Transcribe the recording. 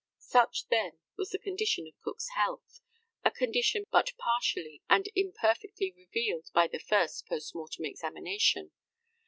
Such, then, was the condition of Cook's health a condition but partially and imperfectly revealed by the first post mortem examination.